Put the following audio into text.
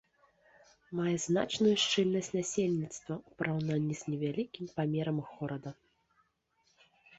Мае значную шчыльнасць насельніцтва, у параўнанні з невялікім памерам горада.